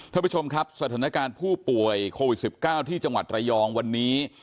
ท่านผู้ชมครับสถานการณ์ผู้ป่วยโควิด๑๙ที่จังหวัดระยองวันนี้